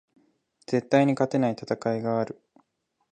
絶対に勝てない戦いがある